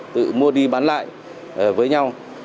tự mua đi bán lại với nhau